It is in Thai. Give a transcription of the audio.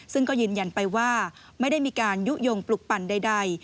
ซึ่งก็ยืนยันไปว่าไม่ได้มีการยุโยงปลุกปั่นใด